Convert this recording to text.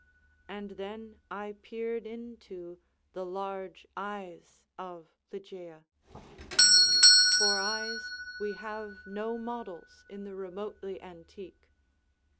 And then I peered into the large eyes of Ligeia. For eyes we have no models in the remotely antique.